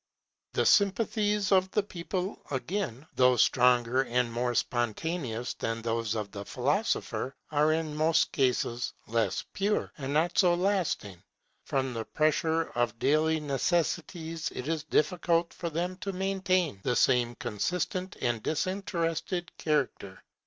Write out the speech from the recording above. The sympathies of the people again, though stronger and more spontaneous than those of the philosopher, are, in most cases, less pure and not so lasting. From the pressure of daily necessities it is difficult for them to maintain the same consistent and disinterested character.